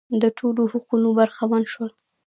د ټولو حقونو برخمن شول.